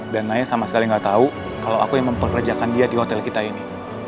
dan naya sama sekali gak tau kalau aku yang memperkerjakan dia di hotel kita ini